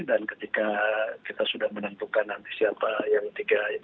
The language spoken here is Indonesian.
dan ketika kita sudah menentukan nanti siapa yang penting